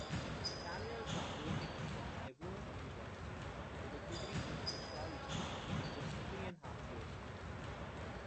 Daniels graduated from Auburn University with a degree in Sociology in just three-and-a-half years.